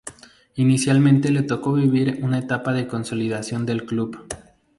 Inicialmente le tocó vivir una etapa de consolidación del club.